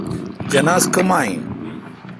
جناز کوما این۔